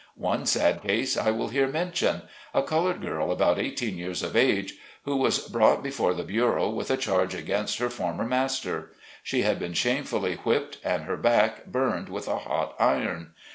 One sad case I will here mention — a colored girl about eighteen years of age, who was brought before the bureau, with a charge against her former master. She had been shamefully whipped and her back burned with a hot iron.